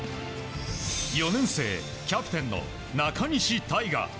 ４年生、キャプテンの中西大翔。